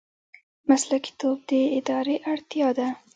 مسلکي توب د ادارې اړتیا ده